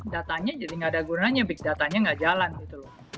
datanya jadi nggak ada gunanya big datanya nggak jalan gitu loh